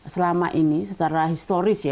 selama ini secara historis